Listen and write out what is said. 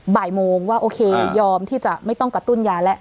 บ่ายโมงว่าโอเคยอมที่จะไม่ต้องกระตุ้นยาแล้ว